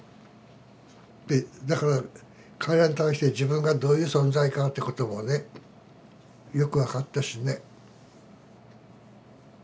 でだから彼らに対して自分がどういう存在かってこともねよく分かったしね。